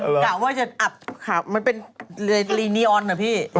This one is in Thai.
กล่าวว่าจะอับขาวมันเป็นรีนีออนเหรอพี่